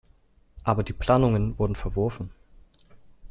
Aber die Planungen wurden verworfen.